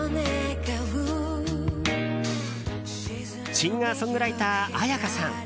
シンガーソングライター絢香さん。